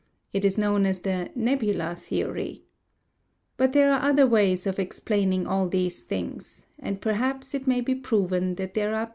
It is known as the Nebular theory. But there are other ways of explaining all these things, and perhaps it may be proven that there are better ways.